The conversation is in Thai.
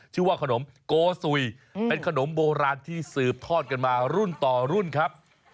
ชื่อว่าขนมโกสุยเป็นขนมโบราณที่สืบทอดกันมารุ่นต่อรุ่นครับ